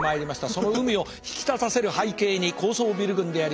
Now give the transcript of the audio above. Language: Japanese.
その海を引き立たせる背景に高層ビル群であります。